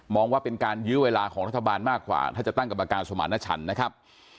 ว่าเป็นการยื้อเวลาของรัฐบาลมากกว่าถ้าจะตั้งกรรมการสมารณชันนะครับ